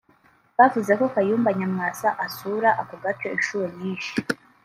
Bavuze ko Kayumba Nyamwasa asura ako gace inshuro nyinshi